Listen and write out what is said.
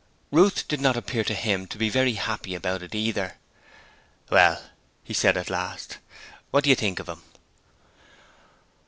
Ruth did not appear to him to be very happy about it either. 'Well?' he said at last. 'What do you think of him?'